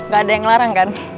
gak ada yang ngelarang kan